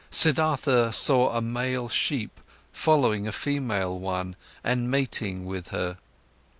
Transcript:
Siddhartha saw a male sheep following a female one and mating with her.